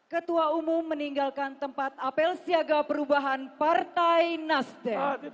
ketua umum meninggalkan tempat apel siaga perubahan partai nasdem